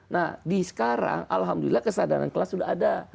nah di sekarang alhamdulillah kesadaran kelas sudah ada